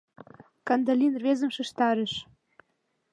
— Кандалин рвезым шижтарыш.